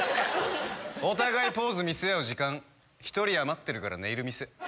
お互いポーズ見せ合う時間１人余ってるからネイル見せ。